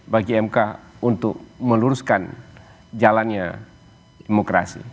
bagi m k untuk meluruskan jalannya demokrasi